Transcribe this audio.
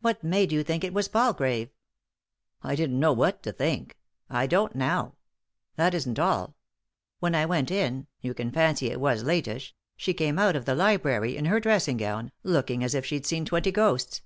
"What made you think it was Palgrave ?" "I didn't know what to think; I don't now. That isn't all. When I went in — you can fancy it was latish — she came out of the library, in her dress ing gown, looking as if she'd seen twenty ghosts.